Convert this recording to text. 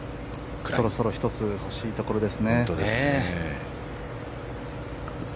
そろそろ１つ欲しいところです。